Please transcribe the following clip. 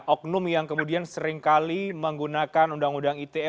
oknum yang kemudian seringkali menggunakan undang undang ite